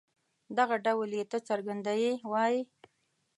دغه ډول ي ته څرګنده يې وايي.